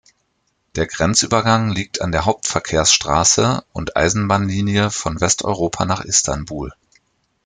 Der Grenzübergang liegt an der Hauptverkehrsstraße und Eisenbahnlinie von Westeuropa nach Istanbul.